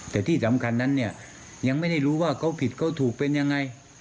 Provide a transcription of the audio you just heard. แต่ที่สำคัญนั้นเนี่ยยังไม่ได้รู้ว่าเขาผิดเขาถูกเป็นยังไง